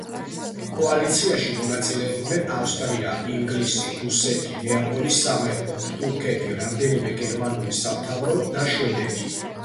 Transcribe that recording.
კოალიციაში მონაწილეობდნენ ავსტრია, ინგლისი, რუსეთი, ნეაპოლის სამეფო, თურქეთი, რამდენიმე გერმანული სამთავრო და შვედეთი.